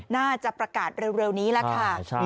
น่าจะประกาศเร็วนี้แล้วค่ะ